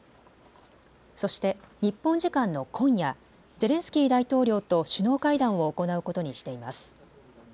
そして日本時間の今夜、ゼレンスキー大統領と首脳会談を行うことにしています。